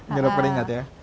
ngeri peringat ya